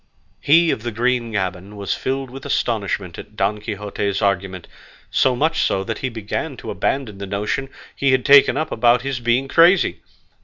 He of the green gaban was filled with astonishment at Don Quixote's argument, so much so that he began to abandon the notion he had taken up about his being crazy.